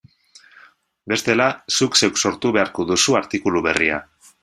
Bestela, zuk zeuk sortu beharko duzu artikulu berria.